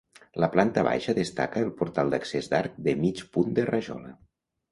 La planta baixa destaca el portal d’accés d’arc de mig punt de rajola.